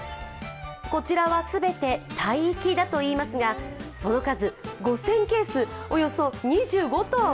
こちらは全てタイ行きだといいますがその数、５０００ケース、およそ２５ｔ。